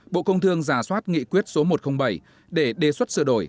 bộ công thương giả soát nghị quyết số một trăm linh bảy để đề xuất sửa đổi